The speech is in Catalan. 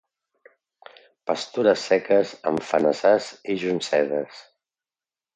Pastures seques en fenassars i joncedes.